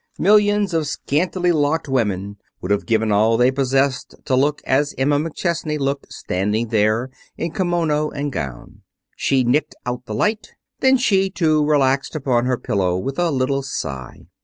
Millions of scanty locked women would have given all they possessed to look as Emma McChesney looked standing there in kimono and gown. She nicked out the light. Then she, too, relaxed upon her pillow with a little sigh.